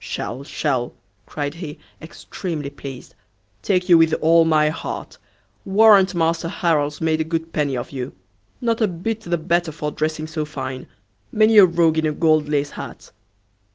"Shall, shall," cried he, extremely pleased, "take you with all my heart. Warrant Master Harrel's made a good penny of you. Not a bit the better for dressing so fine; many a rogue in a gold lace hat."